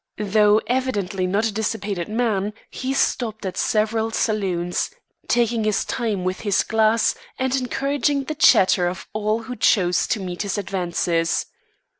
Though evidently not a dissipated man, he stopped at several saloons, taking his time with his glass and encouraging the chatter of all who chose to meet his advances.